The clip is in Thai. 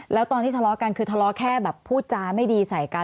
แล้วตอนที่ทะเลาะกันคือทะเลาะแค่แบบพูดจาไม่ดีใส่กัน